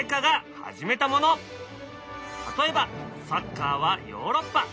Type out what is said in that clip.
例えばサッカーはヨーロッパ。